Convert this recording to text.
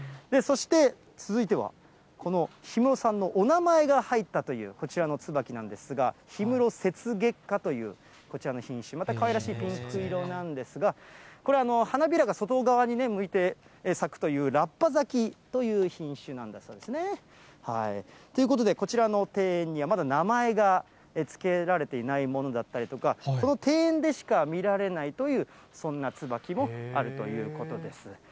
そして、続いては、この氷室さんのお名前が入ったという、こちらのツバキなんですが、氷室雪月花というこちらの品種、またかわいらしいピンク色なんですが、これは花びらが外側に向いて咲くというラッパ咲きという品種なんだそうですね。ということでこちらの庭園には、まだ名前が付けられていないものだったりとか、この庭園でしか見られないという、そんなツバキもあるということです。